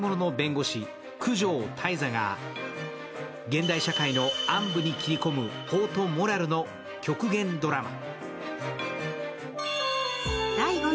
現代社会の暗部に切り込む法とモラルの極限ドラマ。